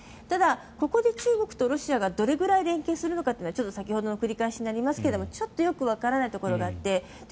ただ、ここで中国とロシアがどれぐらい連携するのかというのがちょっと先ほどの繰り返しになりますがよくわからないところがあって。